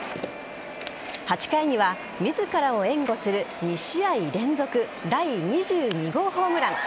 ８回には自らを援護する２試合連続第２２号ホームラン。